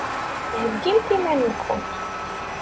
Heggimt iman-nkent.